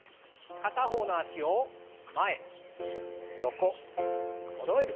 片方の脚を前横そろえる。